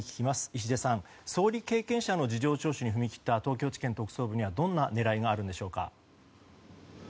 石出さん、総理経験者の事情聴取に踏み切った東京地検特捜部にはどんな狙いがあるんでしょうか。